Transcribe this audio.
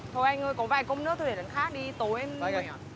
thôi anh ơi có vài công nước thôi để lần khác đi tối em